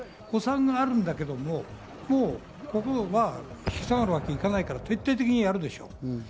誤算があるんだけれども、もう引き下がるわけにはいかないから徹底的にやるでしょう。